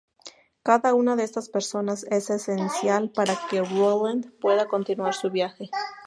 Cada una de estas personas es esencial para que Roland pueda continuar su viaje.